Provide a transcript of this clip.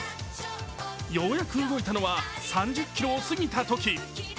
ようやく動いたのは３０ｋｍを過ぎたとき。